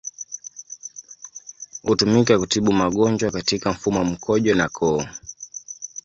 Hutumika kutibu magonjwa katika mfumo wa mkojo na koo.